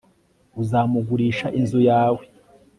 uzamugurisha inzu yawe